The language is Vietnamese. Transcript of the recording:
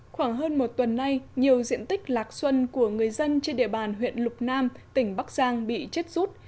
khoảng hơn một tuần nay nhiều diện tích lạc xuân của người dân trên địa bàn huyện lục nam tỉnh bắc giang bị chết rút